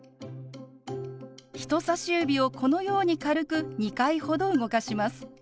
人さし指をこのように軽く２回ほど動かします。